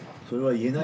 言えない。